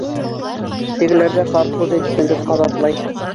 Тегеләр ҙә Корхуз әйткәнде ҡабатлай.